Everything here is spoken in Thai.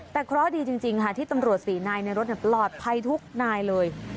แต่เคราะห์ดีจริงค่ะที่ตำรวจ๔นายในรถปลอดภัยทุกนายเลย